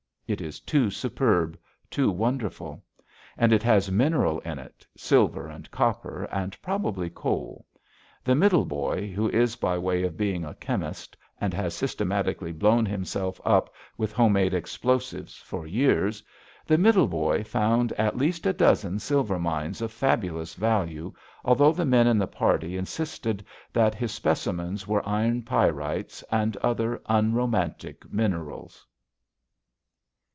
It is too superb, too wonderful. And it has mineral in it, silver and copper and probably coal. The Middle Boy, who is by way of being a chemist and has systematically blown himself up with home made explosives for years the Middle Boy found at least a dozen silver mines of fabulous value, although the men in the party insisted that his specimens were iron pyrites and other unromantic minerals.